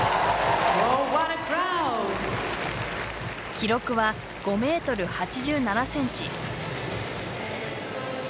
記録は、５ｍ８７ｃｍ。